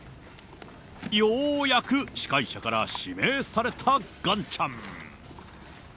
ようやく司会者から指名されたガンちゃん。